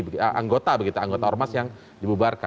begitu anggota begitu anggota ormas yang dibubarkan